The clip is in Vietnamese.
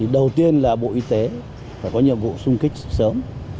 đầu tiên là bộ y tế phải có nhiệm vụ xung kích sớm